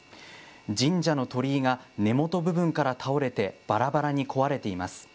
神社の鳥居が根元部分から倒れてばらばらに壊れています。